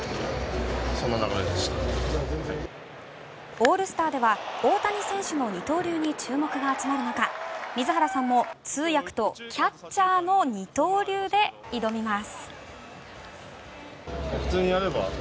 オールスターでは大谷選手の二刀流に注目が集まる中、水原さんも通訳とキャッチャーの二刀流で挑みます。